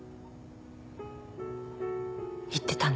言ってたね。